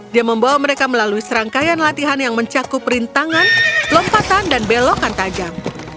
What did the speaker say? dia membawa mereka melalui serangkaian latihan yang mencakup rintangan lompatan dan belokan tajam